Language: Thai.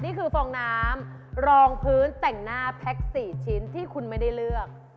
ฟองน้ำรองพื้นแต่งหน้าแพ็ค๔ชิ้นที่คุณไม่ได้เลือก